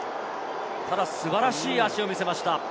ただ素晴らしい足を見せました。